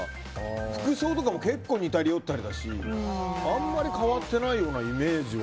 服装とかも結構似たり寄ったりだしあんまり変わってないイメージは。